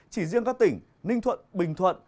chỉ riêng các tỉnh ninh thuận bình thuận